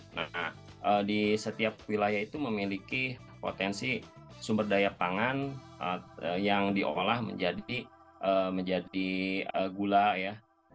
nah di setiap wilayah itu memiliki potensi sumber daya pangan yang diolah menjadi gula ya